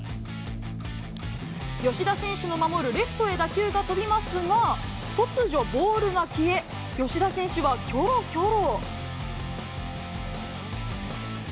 吉田選手の守るレフトへ打球が飛びますが、突如ボールが消え、吉田選手はきょろきょろ。